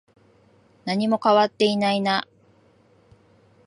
何も変わっていないな。